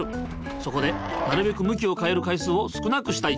そこでなるべく向きを変える回数を少なくしたい。